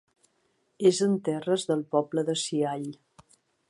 És en terres del poble de Siall.